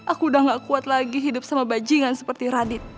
aku udah gak kuat lagi hidup sama bajingan seperti radit